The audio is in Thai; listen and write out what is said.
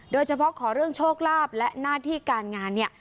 โดยเฉพาะขอเรื่องโชคลาภและหน้าที่การงานเนี่ย